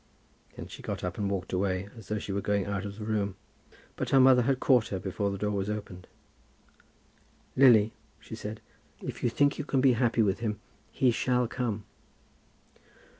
Then she got up and walked away, as though she were going out of the room; but her mother had caught her before the door was opened. "Lily," she said, "if you think you can be happy with him, he shall come."